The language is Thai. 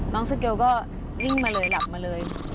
สเกลก็วิ่งมาเลยหลับมาเลย